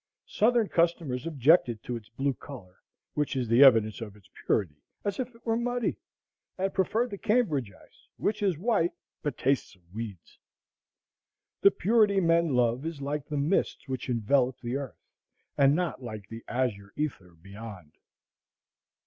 Southern customers objected to its blue color, which is the evidence of its purity, as if it were muddy, and preferred the Cambridge ice, which is white, but tastes of weeds. The purity men love is like the mists which envelop the earth, and not like the azure ether beyond.